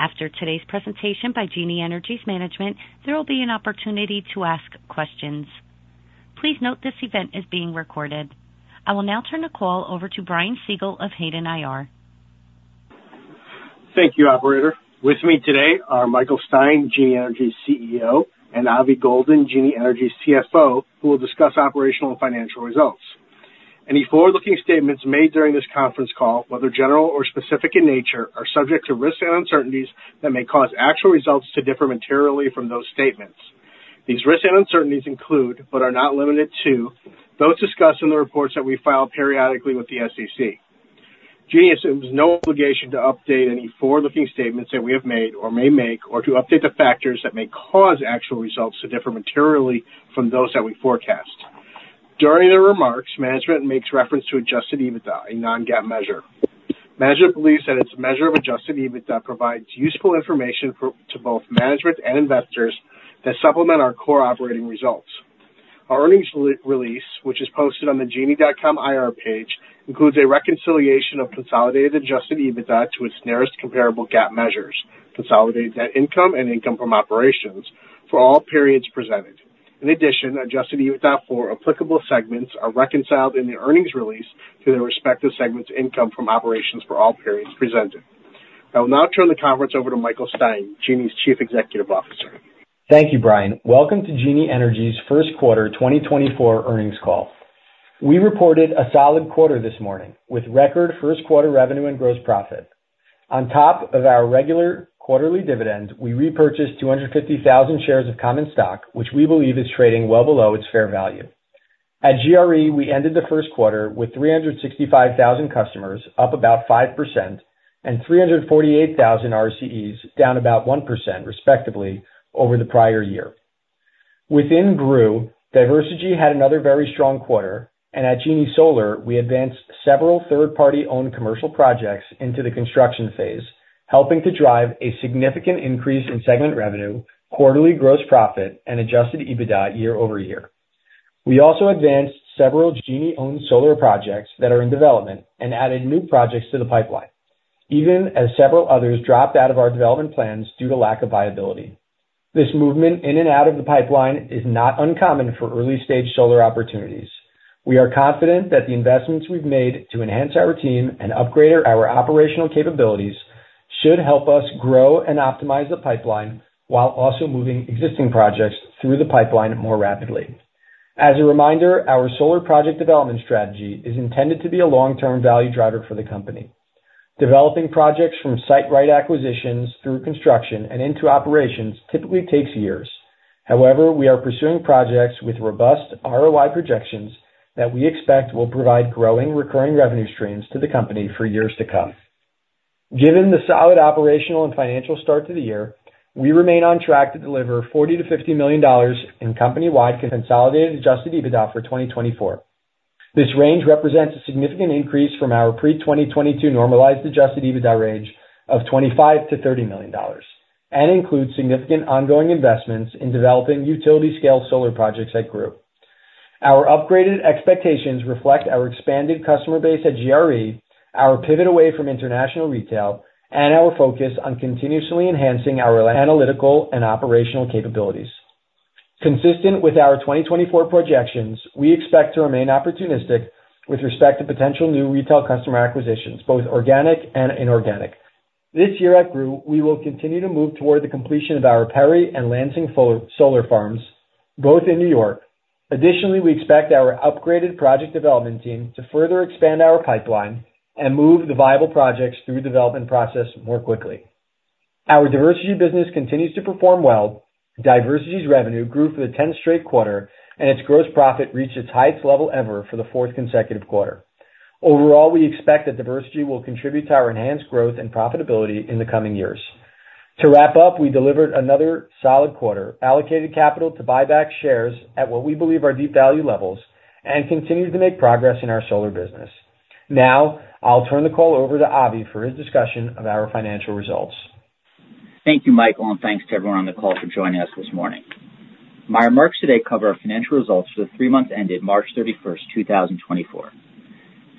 After today's presentation by Genie Energy's management, there will be an opportunity to ask questions. Please note this event is being recorded. I will now turn the call over to Brian Siegel of Hayden IR. Thank you, operator. With me today are Michael Stein, Genie Energy's CEO, and Avi Goldin, Genie Energy's CFO, who will discuss operational and financial results. Any forward-looking statements made during this conference call, whether general or specific in nature, are subject to risks and uncertainties that may cause actual results to differ materially from those statements. These risks and uncertainties include, but are not limited to, those discussed in the reports that we file periodically with the SEC. Genie assumes no obligation to update any forward-looking statements that we have made or may make, or to update the factors that may cause actual results to differ materially from those that we forecast. During their remarks, management makes reference to adjusted EBITDA, a non-GAAP measure. Management believes that its measure of adjusted EBITDA provides useful information to both management and investors that supplement our core operating results. Our earnings release, which is posted on the genie.com IR page, includes a reconciliation of consolidated adjusted EBITDA to its nearest comparable GAAP measures, consolidated net income and income from operations, for all periods presented. In addition, adjusted EBITDA for applicable segments are reconciled in the earnings release to their respective segments' income from operations for all periods presented. I will now turn the conference over to Michael Stein, Genie's Chief Executive Officer. Thank you, Brian. Welcome to Genie Energy's first quarter 2024 earnings call. We reported a solid quarter this morning with record first quarter revenue and gross profit. On top of our regular quarterly dividend, we repurchased 250,000 shares of common stock, which we believe is trading well below its fair value. At GRE, we ended the first quarter with 365,000 customers, up about 5%, and 348,000 RCEs, down about 1%, respectively, over the prior year. Within GRU, Diversegy had another very strong quarter, and at Genie Solar, we advanced several third-party-owned commercial projects into the construction phase, helping to drive a significant increase in segment revenue, quarterly gross profit, and Adjusted EBITDA year-over-year. We also advanced several Genie-owned solar projects that are in development and added new projects to the pipeline, even as several others dropped out of our development plans due to lack of viability. This movement in and out of the pipeline is not uncommon for early-stage solar opportunities. We are confident that the investments we've made to enhance our team and upgrade our operational capabilities should help us grow and optimize the pipeline while also moving existing projects through the pipeline more rapidly. As a reminder, our solar project development strategy is intended to be a long-term value driver for the company. Developing projects from site rights acquisitions through construction and into operations typically takes years. However, we are pursuing projects with robust ROI projections that we expect will provide growing recurring revenue streams to the company for years to come. Given the solid operational and financial start to the year, we remain on track to deliver $40 million-$50 million in company-wide consolidated Adjusted EBITDA for 2024. This range represents a significant increase from our pre-2022 normalized adjusted EBITDA range of $25 million-$30 million and includes significant ongoing investments in developing utility-scale solar projects at GRU. Our upgraded expectations reflect our expanded customer base at GRE, our pivot away from international retail, and our focus on continuously enhancing our analytical and operational capabilities. Consistent with our 2024 projections, we expect to remain opportunistic with respect to potential new retail customer acquisitions, both organic and inorganic. This year at GRU, we will continue to move toward the completion of our Perry and Lansing solar farms, both in New York. Additionally, we expect our upgraded project development team to further expand our pipeline and move the viable projects through the development process more quickly. Our Diversegy business continues to perform well. Diversegy's revenue grew for the 10th straight quarter, and its gross profit reached its highest level ever for the fourth consecutive quarter. Overall, we expect that Diversegy will contribute to our enhanced growth and profitability in the coming years. To wrap up, we delivered another solid quarter, allocated capital to buy back shares at what we believe are deep value levels, and continued to make progress in our solar business. Now, I'll turn the call over to Avi for his discussion of our financial results. Thank you, Michael, and thanks to everyone on the call for joining us this morning. My remarks today cover our financial results for the three months ended March 31st, 2024.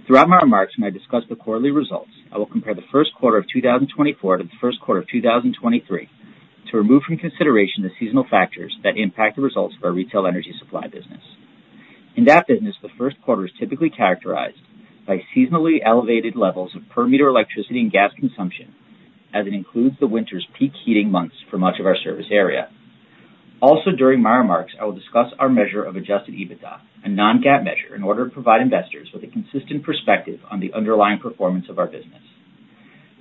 Throughout my remarks, when I discuss the quarterly results, I will compare the first quarter of 2024 to the first quarter of 2023 to remove from consideration the seasonal factors that impact the results of our retail energy supply business. In that business, the first quarter is typically characterized by seasonally elevated levels of per-meter electricity and gas consumption, as it includes the winter's peak heating months for much of our service area. Also, during my remarks, I will discuss our measure of adjusted EBITDA, a non-GAAP measure, in order to provide investors with a consistent perspective on the underlying performance of our business.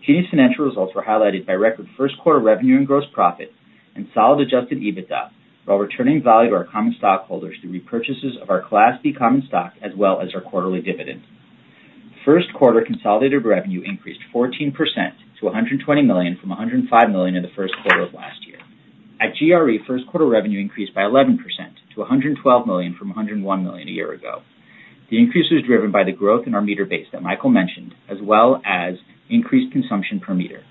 Genie's financial results were highlighted by record first quarter revenue and gross profit and solid adjusted EBITDA while returning value to our common stockholders through repurchases of our Class B common stock as well as our quarterly dividend. First quarter consolidated revenue increased 14% to $120 million from $105 million in the first quarter of last year. At GRE, first quarter revenue increased by 11% to $112 million from $101 million a year ago. The increase was driven by the growth in our meter base that Michael mentioned, as well as increased consumption per meter.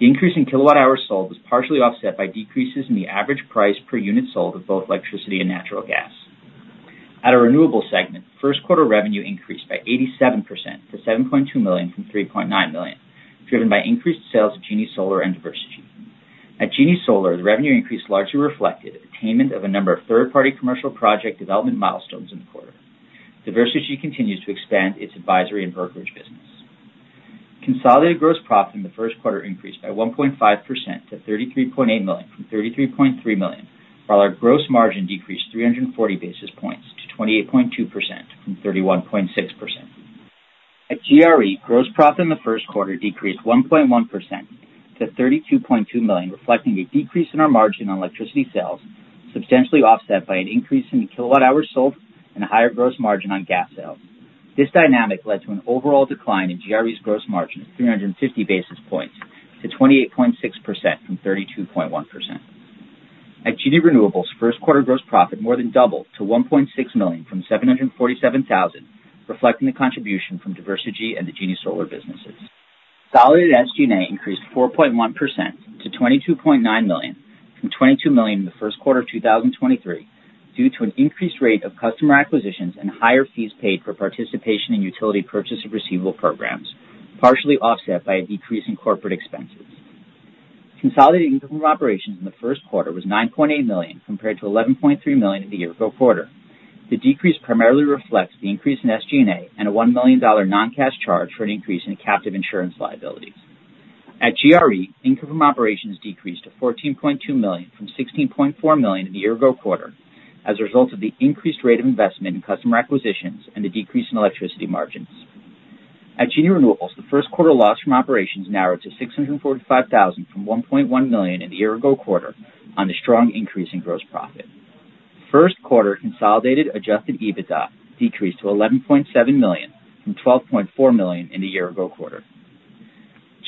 The increase in kilowatt-hours sold was partially offset by decreases in the average price per unit sold of both electricity and natural gas. At our renewable segment, first quarter revenue increased by 87% to $7.2 million from $3.9 million, driven by increased sales of Genie Solar and Diversegy. At Genie Solar, the revenue increase largely reflected attainment of a number of third-party commercial project development milestones in the quarter. Diversegy continues to expand its advisory and brokerage business. Consolidated gross profit in the first quarter increased by 1.5% to $33.8 million from $33.3 million, while our gross margin decreased 340 basis points to 28.2% from 31.6%. At GRE, gross profit in the first quarter decreased 1.1% to $32.2 million, reflecting a decrease in our margin on electricity sales, substantially offset by an increase in the kilowatt-hours sold and a higher gross margin on gas sales. This dynamic led to an overall decline in GRE's gross margin of 350 basis points to 28.6% from 32.1%. At Genie Renewables, first quarter gross profit more than doubled to $1.6 million from $747,000, reflecting the contribution from Diversegy and the Genie Solar businesses. SG&A increased 4.1% to $22.9 million from $22 million in the first quarter of 2023 due to an increased rate of customer acquisitions and higher fees paid for participation in utility purchase of receivable programs, partially offset by a decrease in corporate expenses. Consolidated income from operations in the first quarter was $9.8 million compared to $11.3 million in the year-ago quarter. The decrease primarily reflects the increase in SG&A and a $1 million non-cash charge for an increase in captive insurance liabilities. At GRE, income from operations decreased to $14.2 million from $16.4 million in the year-ago quarter as a result of the increased rate of investment in customer acquisitions and the decrease in electricity margins. At Genie Renewables, the first quarter loss from operations narrowed to $645,000 from $1.1 million in the year-ago quarter on the strong increase in gross profit. First quarter consolidated adjusted EBITDA decreased to $11.7 million from $12.4 million in the year-ago quarter.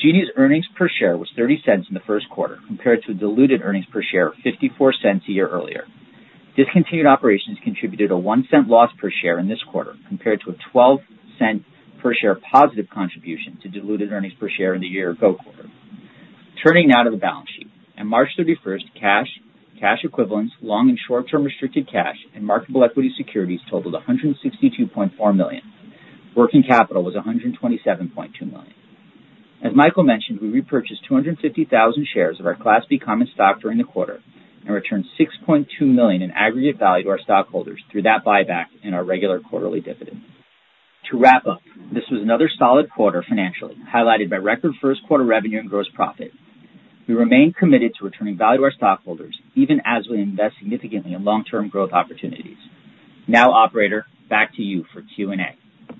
Genie's earnings per share was $0.30 in the first quarter compared to a diluted earnings per share of $0.54 a year earlier. Discontinued operations contributed a $0.01 loss per share in this quarter compared to a $0.12 per share positive contribution to diluted earnings per share in the year-ago quarter. Turning now to the balance sheet, on March 31st, cash, cash equivalents, long- and short-term restricted cash, and marketable equity securities totaled $162.4 million. Working capital was $127.2 million. As Michael mentioned, we repurchased 250,000 shares of our Class B common stock during the quarter and returned $6.2 million in aggregate value to our stockholders through that buyback and our regular quarterly dividend. To wrap up, this was another solid quarter financially, highlighted by record first quarter revenue and gross profit. We remain committed to returning value to our stockholders even as we invest significantly in long-term growth opportunities. Now, operator, back to you for Q&A.